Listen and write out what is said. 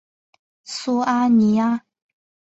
苏阿尼阿。